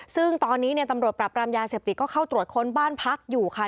ซึ่งตอนนี้เนี่ยตำรวจปรับรามยาเสพติดก็เข้าตรวจค้นบ้านพักอยู่ค่ะ